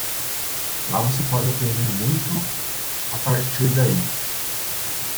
Lá você pode aprender muito a partir daí.